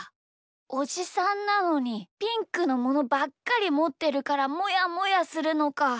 おじさんなのにピンクのものばっかりもってるからもやもやするのか。